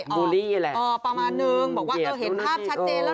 โอลี่แหละเออประมาณนึงบอกว่าเออเห็นภาพชัดเจนแล้ว